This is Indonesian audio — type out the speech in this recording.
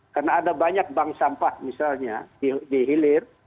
karena ada banyak bank sampah misalnya di hilir